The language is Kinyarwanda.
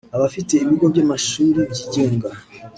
Abafite ibigo by’amashuri byigenga